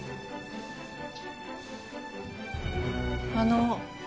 あの。